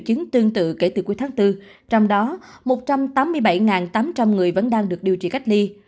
chứng tương tự kể từ cuối tháng bốn trong đó một trăm tám mươi bảy tám trăm linh người vẫn đang được điều trị cách ly